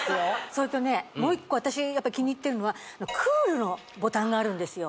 それとねもう一個私やっぱ気に入ってるのはＣＯＯＬのボタンがあるんですよ